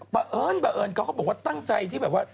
เอิญบังเอิญเขาก็บอกว่าตั้งใจที่แบบว่า